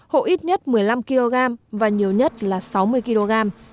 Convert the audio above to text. hộ ít nhất một mươi năm kg và nhiều nhất là sáu mươi kg